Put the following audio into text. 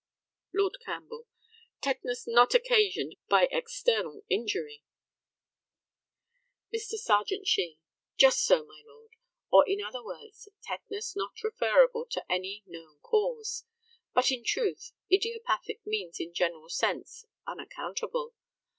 Lord CAMPBELL: Tetanus not occasioned by external injury. Mr. Serjeant SHEE: Just so, my lord, or in other words, tetanus not referable to any known cause. But, in truth, idiopathic means in a general sense "unaccountable."